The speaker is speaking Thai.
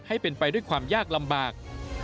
ให้เป็นไปด้วยความยากลำบาก